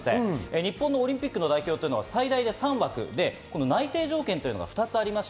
日本のオリンピックの代表は最大３人で、内定条件が２つあります。